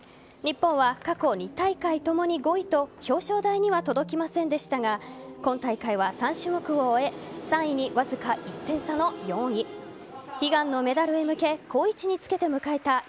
日本は過去２大会ともに５位と表彰台には届きませんでしたが今大会は３種目を終え３位にわずか１点差の４位。悲願のメダルへ向け好位置につけて迎えた